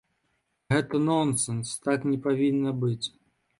Гэта нонсэнс, так не павінна быць.